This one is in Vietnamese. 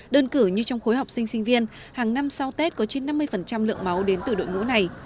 đơn cử như trong khối học sinh sinh viên hàng năm sau tết có trên năm mươi lượng máu đến từ đội ngũ này